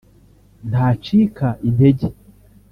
ntacika intege